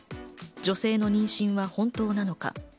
女性の妊娠は本当なのか。